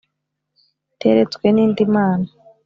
Iteretswe n’indi Mana,